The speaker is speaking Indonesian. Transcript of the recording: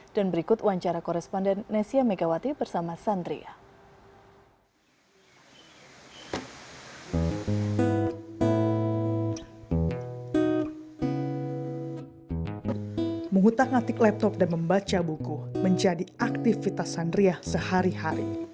dan berikut wawancara koresponden nesya megawati bersama sandria